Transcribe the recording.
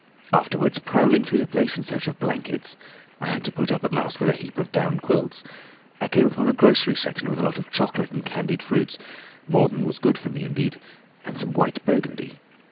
Afterwards, prowling through the place in search of blankets—I had to put up at last with a heap of down quilts—I came upon a grocery section with a lot of chocolate and candied fruits, more than was good for me indeed—and some white burgundy.